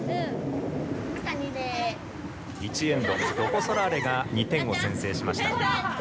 １エンドロコ・ソラーレが２点を先制しました。